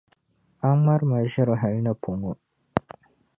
a ŋmari ma ʒiri hal ni pɔŋɔ.